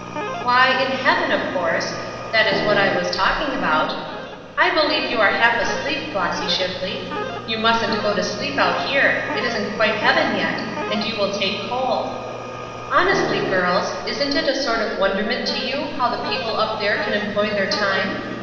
"Why, in heaven, of course; that is what I was talking about. I believe you are half asleep, Flossy Shipley; you mustn't go to sleep out here; it isn't quite heaven yet, and you will take cold. Honestly, girls, isn't it a sort of wonderment to you how the people up there can employ their time?